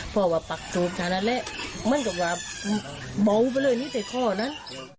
เพราะว่าปากถูกทั้งนั้นแล้วมันก็ว่าเบาไปเลยนี่แต่ข้อนั้น